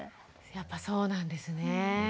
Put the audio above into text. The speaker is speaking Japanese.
やっぱそうなんですね。